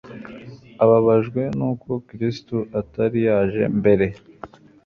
Ababajwe nuko Kristo atari yaje mbere,